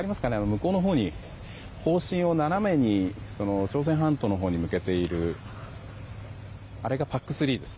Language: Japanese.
向こうのほうに砲身を斜めに朝鮮半島のほうに向けているあれがＰＡＣ３です。